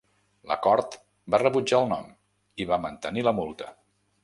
La cort va rebutjar el nom i va mantenir la multa.